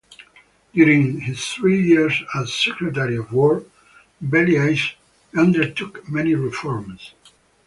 During his three years as Secretary of War, Belle-Isle undertook many reforms.